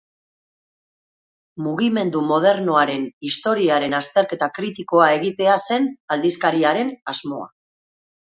Mugimendu modernoaren historiaren azterketa kritikoa egitea zen aldizkari haren asmoa.